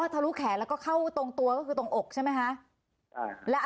ทะลุแขนแล้วก็เข้าตรงตัวก็คือตรงอกใช่ไหมคะ